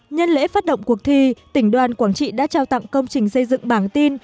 nhân lễ phát động cuộc thi tỉnh đoàn quảng trị đã trao tặng công trình xây dựng bảng tin